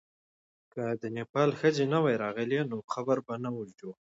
که د نېپال ښځې نه وای راغلې، نو قبر به نه وو جوړ.